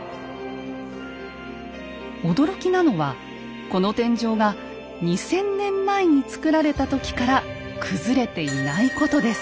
驚きなのはこの天井が２，０００年前に造られた時から崩れていないことです。